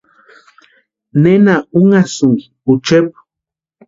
¿Nena únhasïnki ochepu?